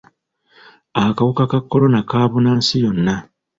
Akawuka ka kolona kaabuna nsi yonna.